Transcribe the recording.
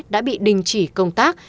đã bị đình chỉ công tác